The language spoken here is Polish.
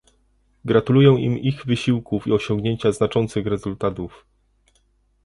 Gratuluję im ich wysiłków i osiągnięcia znaczących rezultatów